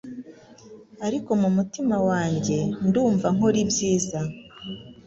ariko mu mutima wanjye ndumva nkora ibyiza